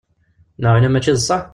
Neɣ wina mačči d sseḥ?